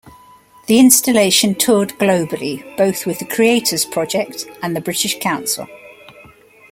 The installation toured globally, both with The Creators Project and The British Council.